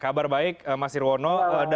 kabar baik mas nirwono